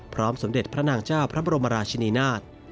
สมเด็จพระนางเจ้าพระบรมราชินีนาฏ